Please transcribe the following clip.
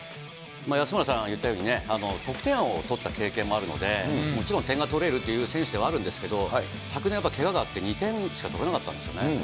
安村さんが言ったように、得点王を取った経験もあるので、もちろん点が取れるという選手ではあるんですけれども、昨年、けががあって２点しか取れなかったんですね。